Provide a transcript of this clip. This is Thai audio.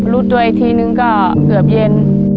รู้ตัวอีกทีนึงก็เกือบเย็น